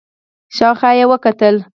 شاو خوا يې وکتل.